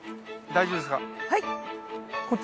大丈夫ですか？